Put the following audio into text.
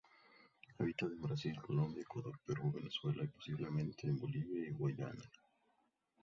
Habita en Brasil, Colombia, Ecuador, Perú, Venezuela y, posiblemente, en Bolivia y Guayana.